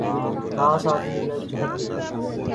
گھاس آدھی جل چکی تھی